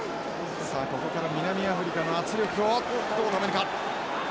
さあここから南アフリカの圧力をどう止めるか。